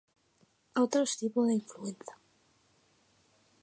Otros tipos de influenza